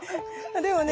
でもね